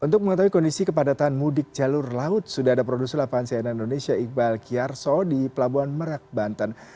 untuk mengetahui kondisi kepadatan mudik jalur laut sudah ada produser lapangan cnn indonesia iqbal kiyarso di pelabuhan merak banten